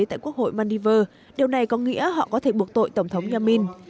tại quốc hội maldives điều này có nghĩa họ có thể buộc tội tổng thống yamin